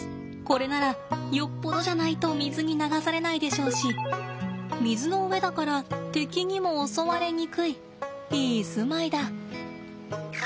これならよっぽどじゃないと水に流されないでしょうし水の上だから敵にも襲われにくいいい住まいだ。